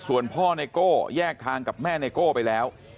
ส่วนพ่อไนโก้แยกทางกับแม่ไนโก้ไปแล้ว